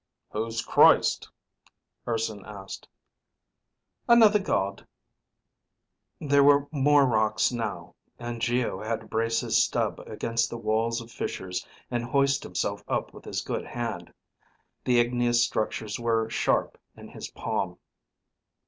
"Who's Christ?" Urson asked. "Another god." There were more rocks now, and Geo had to brace his stub against the walls of fissures and hoist himself up with his good hand. The igneous structures were sharp in his palm.